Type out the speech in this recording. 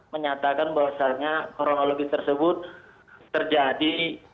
menyatakan bahwasannya kronologi tersebut terjadi